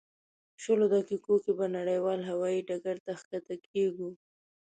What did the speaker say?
شلو دقیقو کې به نړیوال هوایي ډګر ته ښکته کېږو.